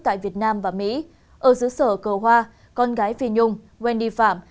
tại việt nam và mỹ ở giữa sở cờ hoa con gái phi nhung wendy phạm